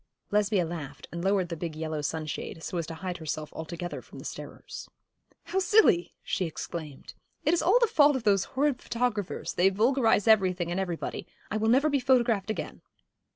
Lesbia laughed, and lowered the big yellow sunshade, so as to hide herself altogether from the starers. 'How silly!' she exclaimed. 'It is all the fault of those horrid photographers: they vulgarise everything and everybody. I will never be photographed again.'